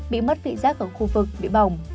bị mất vị rác ở khu vực bị bỏng